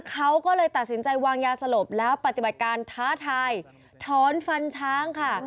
เขาก็เลยตัดสินใจวางยาสลบแล้วปฏิบัติการท้าทายถอนฟันช้างค่ะ